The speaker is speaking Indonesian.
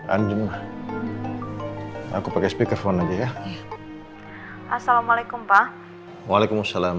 anjing aku pakai speakerphone aja ya assalamualaikum pak waalaikumsalam